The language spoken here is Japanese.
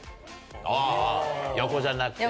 横じゃなくてね。